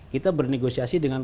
kita bernegosiasi dengan